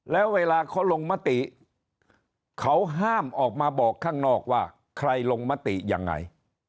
แล้วเวลาเขาลงมติเขาห้ามออกมาบอกข้างนอกว่าใครลงมติยังไง